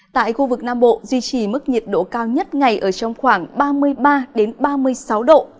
tại khu vực nam bộ duy trì mức nhiệt độ cao nhất ngày ở trong khoảng ba mươi ba ba mươi sáu độ